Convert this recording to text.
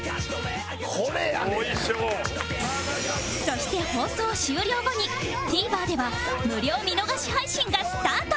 そして放送終了後に ＴＶｅｒ では無料見逃し配信がスタート